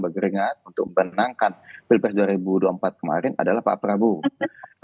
bergeringan untuk menangkan pilpres dua ribu dua puluh empat kemarin adalah pak prabowo